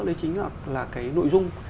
đấy chính là cái nội dung